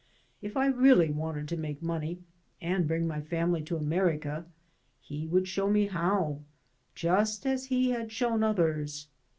If I really wanted to make money and bring my family to America, he would show me how, just as he had shown others.